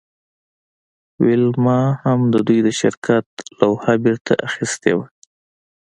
ویلما هم د دوی د شرکت لوحه بیرته اخیستې وه